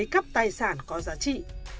cắp tài sản có giá trị